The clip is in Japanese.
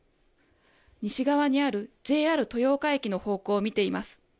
西側にあるＪＲ豊岡駅の方向を見ています。